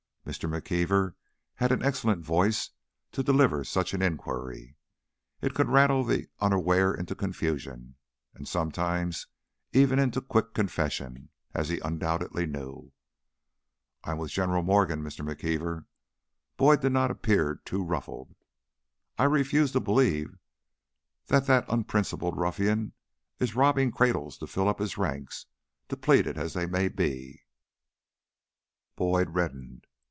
Mr. McKeever had an excellent voice to deliver such an inquiry; it could rattle the unaware into confusion, and sometimes even into quick confession, as he undoubtedly knew. "I'm with General Morgan, Mr. McKeever." Boyd did not appear too ruffled. "I refuse to believe that even that unprincipled ruffian is robbing cradles to fill up his ranks, depleted as they may be " Boyd reddened.